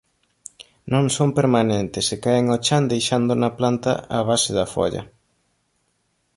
Non son permanentes e caen ao chan deixando na planta a base da folla.